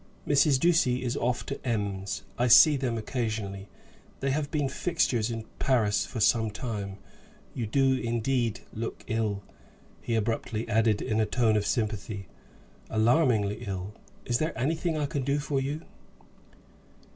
"Mrs. Ducie is off to Ems. I see them occasionally. They have been fixtures in Paris for some time. You do indeed look ill," he abruptly added, in a tone of sympathy, "alarmingly ill. Is there anything I can do for you?"